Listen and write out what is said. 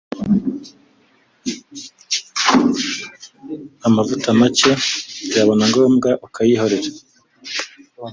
amavuta make byaba na ngombwa ukayihorera